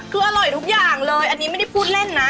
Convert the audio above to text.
คืออร่อยทุกอย่างเลยอันนี้ไม่ได้พูดเล่นนะ